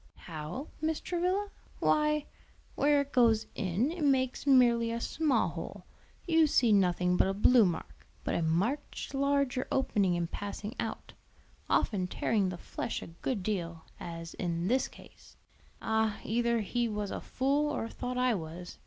"How, Mrs. Travilla? Why, where it goes in it makes merely a small hole; you see nothing but a blue mark; but a much larger opening in passing out, often tearing the flesh a good deal; as in this case. "Ah, either he was a fool or thought I was.